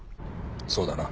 そうだな。